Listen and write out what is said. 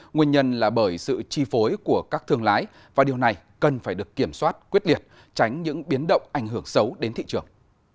nguyên nhân là bởi sự chi phối của các thương lái và điều này cần phải được kiểm soát quyết liệt tránh những biến động ảnh hưởng xấu đến thị trường